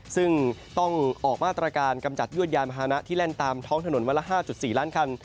ซึ่งต้องออกมาตรการกำจัดยวดยานมหานะที่แล่นตามท้องถนนวันละ๕๔ล้านคัน